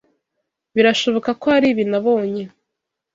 Birashoboka ko aribi nabonye.